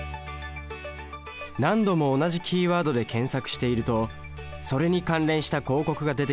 何度も同じキーワードで検索しているとそれに関連した広告が出てきます。